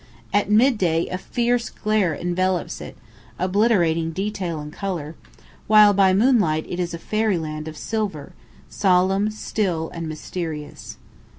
At midday a fierce glare envelops it, obliterating detail and colour, while by moonlight it is a fairyland of silver, solemn, still, and mysterious.